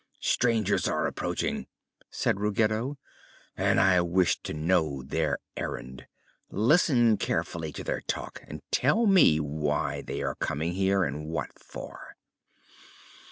"Strangers are approaching," said Ruggedo, "and I wish to know their errand. Listen carefully to their talk and tell me why they are coming here, and what for."